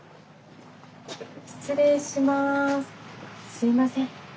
すいません。